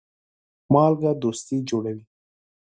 مالګه دوستي جوړوي.